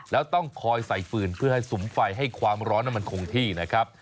แล้วต้องคอยใส่ฟืนเพื่อให้สุมไฟให้ความร้อนนั้นมันคงที่นะครับ